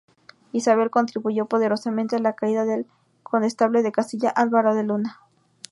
Isabel contribuyó poderosamente a la caída del condestable de Castilla Álvaro de Luna.